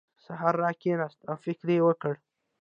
سهار راکېناست او فکر یې وکړ.